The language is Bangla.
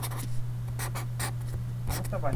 কিছুদিনের মধ্যেই এলপিআরে চলে যাবেন।